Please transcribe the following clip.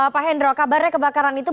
pak hendro kabarnya kebakaran itu